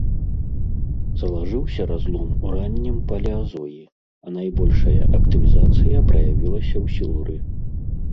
Залажыўся разлом у раннім палеазоі, а найбольшая актывізацыя праявілася ў сілуры.